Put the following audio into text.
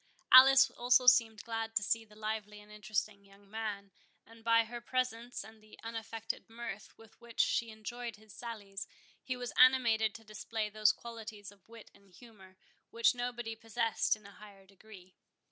Alice also seemed glad to see the lively and interesting young man; and by her presence, and the unaffected mirth with which she enjoyed his sallies, he was animated to display those qualities of wit and humour, which nobody possessed in a higher degree.